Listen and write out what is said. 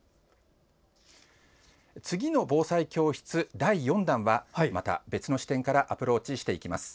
次の防災教室第４弾はまた別の視点からアプローチしていきます。